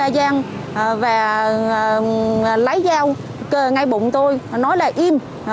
cà phê ba giang và lấy dao ngay bụng tôi nói là im